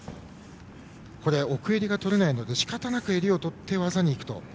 奥襟がとれないので仕方なく襟をとって技にいくと。